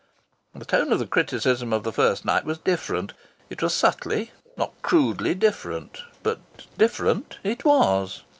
The tone of the criticism of the first night was different it was subtly, not crudely, different. But different it was.